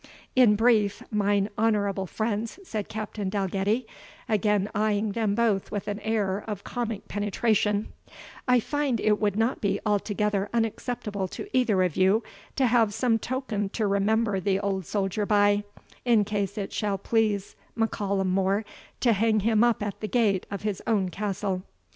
"In brief, mine honourable friends," said Captain Dalgetty, again eyeing them both with an air of comic penetration, "I find it would not be altogether unacceptable to either of you, to have some token to remember the old soldier by, in case it shall please M'Callum More to hang him up at the gate of his own castle.